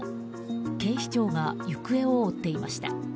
警視庁が行方を追っていました。